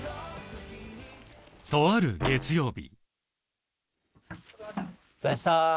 とある月曜日。